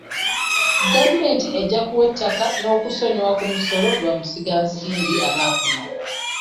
Gavumenti ejja kuwa ettaka n'okusonyiwa ku musolo bamusigansimbi aba kuno.